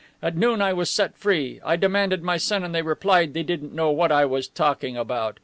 At noon I was set free. I demanded my son and they replied they didn't know what I was talking about.